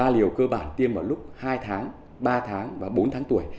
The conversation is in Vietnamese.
ba liều cơ bản tiêm vào lúc hai tháng ba tháng và bốn tháng tuổi